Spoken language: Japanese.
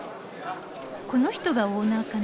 この人がオーナーかな。